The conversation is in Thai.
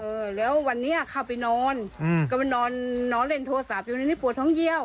เออแล้ววันนี้เข้าไปนอนอืมก็มานอนนอนเล่นโทรศัพท์อยู่ในนี้ปวดท้องเยี่ยว